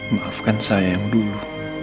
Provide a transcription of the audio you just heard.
maafkan saya yang dulu